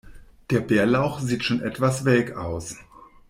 Der Bärlauch sieht schon etwas welk aus.